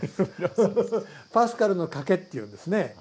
「パスカルの賭け」っていうんですね。